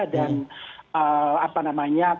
dan apa namanya